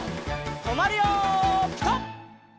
とまるよピタ！